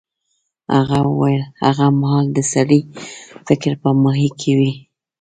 هغه وویل هغه مهال د سړي فکر په ماهي کې وي.